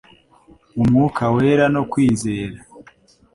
umwuka wera no kwizera